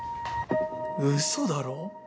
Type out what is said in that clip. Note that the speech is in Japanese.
うそだろ！？